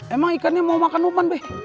emang ikannya mau makan umpan deh